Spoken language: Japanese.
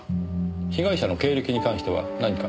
被害者の経歴に関しては何か？